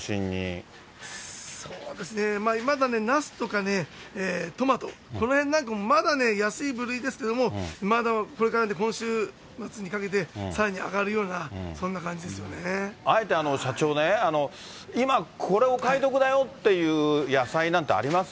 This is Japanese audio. そうですね、まだね、ナスとかね、トマト、このへんなんかも、まだね、安い部類ですけれども、まだこれから、今週末にかけて、さらに上がるような、あえて社長ね、今、これお買い得だよっていう野菜なんてあります？